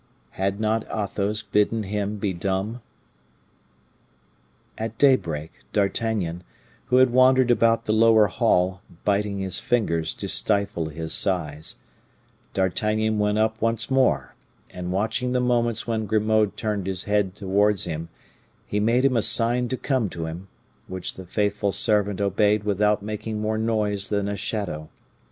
Had not Athos always bidden him be dumb? At daybreak D'Artagnan, who had wandered about the lower hall, biting his fingers to stifle his sighs D'Artagnan went up once more; and watching the moments when Grimaud turned his head towards him, he made him a sign to come to him, which the faithful servant obeyed without making more noise than a shadow.